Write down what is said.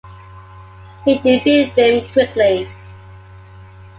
He defeated them quickly.